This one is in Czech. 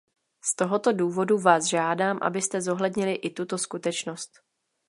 Z tohoto důvodu vás žádám, abyste zohlednili i tuto skutečnost.